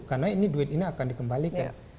karena ini duit ini akan dikembalikan